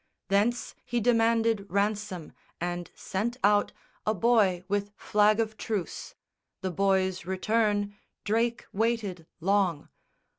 Thence he demanded ransom, and sent out A boy with flag of truce. The boy's return Drake waited long.